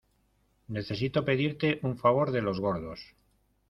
necesito pedirte un favor de los gordos.